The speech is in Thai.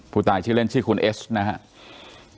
ผู้ตายชื่อเล่นชื่อคุณเอสนะครับ